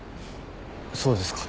そうですか。